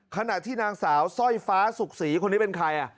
ขณะที่นางสาวสร้อยฟ้าสุขศรีคนนี้เป็นใคร